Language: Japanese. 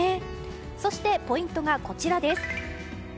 そして、ポイントがこちらです。